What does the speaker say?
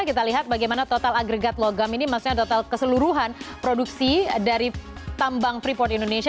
kita lihat bagaimana total agregat logam ini maksudnya total keseluruhan produksi dari tambang freeport indonesia